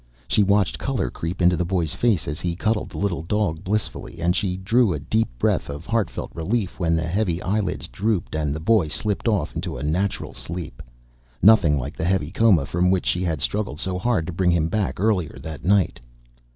She watched color creep into the boy's face as he cuddled the little dog blissfully, and she drew a deep breath of heart felt relief when the heavy eyelids drooped and the boy slipped off into a natural sleep, nothing like the heavy coma from which she had struggled so hard to bring him back earlier that night.